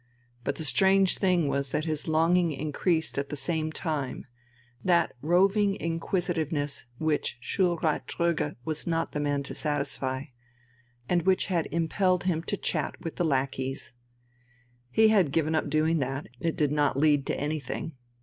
But the strange thing was that his longing increased at the same time: that roving inquisitiveness which Schulrat Dröge was not the man to satisfy, and which had impelled him to chat with the lackeys. He had given up doing that; it did not lead to anything.